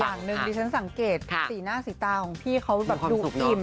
อย่างหนึ่งดิฉันสังเกตสีหน้าสีตาของพี่เขาแบบดูอิ่ม